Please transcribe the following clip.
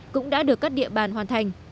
cũng đã được các địa bàn hoàn thành